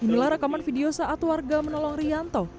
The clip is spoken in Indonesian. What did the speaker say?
inilah rekaman video saat warga menolong rianto